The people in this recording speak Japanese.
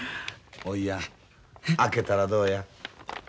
おいやん開けたらどうや？